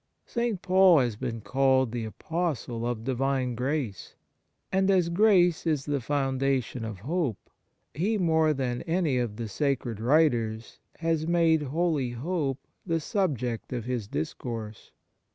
St. Paul has been called the Apostle of Divine grace ; and, as grace is the founda tion of hope, he more than any of the sacred writers has made holy hope the subject of his discourse.